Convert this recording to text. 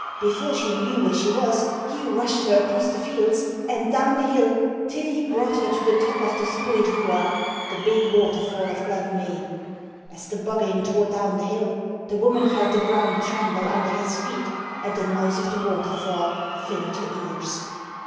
Before she knew where she was he rushed her across the fields and down the hill, till he brought her to the top of the Spooyt Vooar, the big waterfall of Glen Meay. As the Buggane tore down the hill, the woman felt the ground tremble under his feet, and the noise of the waterfall filled her ears.